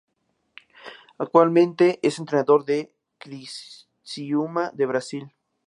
Actualmente es entrenador del Criciúma de Brasil.